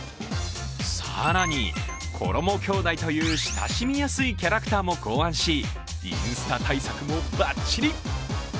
更に、ころも兄弟という親しみやすいキャラクターも考案しインスタ対策もバッチリ。